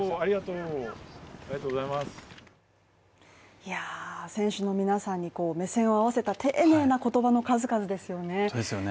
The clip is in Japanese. いやあ、選手の皆さんに目線を合わせた丁寧な言葉の数々ですよね